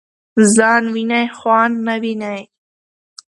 ځان وینی خوان نه ويني .